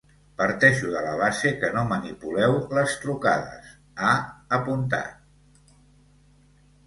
Parteixo de la base que no manipuleu les trucades, ha apuntat.